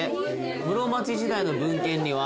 「室町時代の文献には」